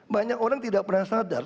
banyak orang tidak pernah sadar